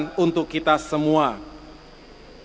dan keberkahan yang insyaallah membawa keberkahan